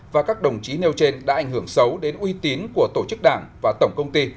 và các đồng chí nêu trên đã ảnh hưởng xấu đến uy tín của tổ chức đảng và tổng công ty